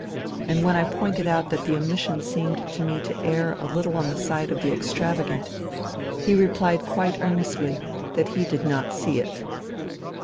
And when I pointed out that the omission seemed to me to err a little on the side of the extravagant, he replied quite earnestly that he did not " see it."